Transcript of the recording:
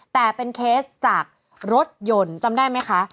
แต่เป็นเคสจากรถยนต์จำได้ไหมคะ